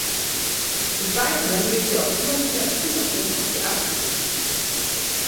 Des Weiteren wirkt sie auch immer wieder in Kinofilmen und Theaterstücken mit.